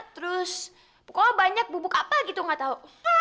terus pokoknya banyak bubuk apel gitu nggak tahu